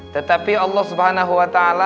tetapi allah swt